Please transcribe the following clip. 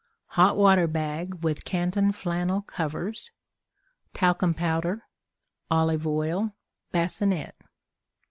Hot Water Bag with Canton Flannel Covers. Talcum Powder. Olive Oil. Bassinet.